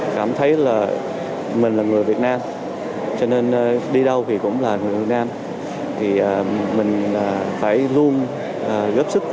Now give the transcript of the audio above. cảm thấy là mình là người việt nam cho nên đi đâu thì cũng là người việt nam thì mình phải luôn góp sức